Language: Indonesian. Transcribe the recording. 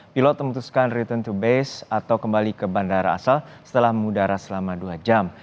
pilot memutuskan return to base atau kembali ke bandara asal setelah mengudara selama dua jam